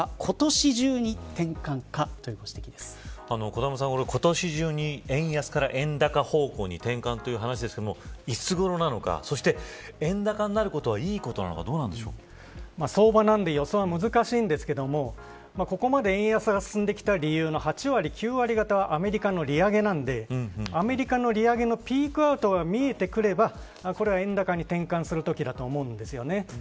小玉さん今年中に円安から円高方向に転換という話ですけれどいつごろなのかそして、円高になることはいいことなのか相場なんで予想は難しいんですけどここまで円安が進んできた理由の８割、９割方はアメリカの利上げなのでアメリカの利上げのピークアウトが見えてくればこれは円高に転換するときだと思うんです。